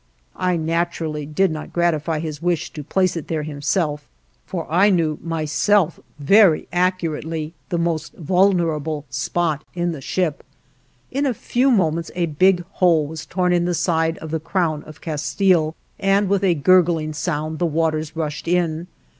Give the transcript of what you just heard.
I naturally did not gratify his wish to place it there himself, for I knew myself very accurately the most vulnerable spot in the ship. In a very few moments a big hole was torn in the side of the "Crown of Castille" and with a gurgling sound the waters rushed in.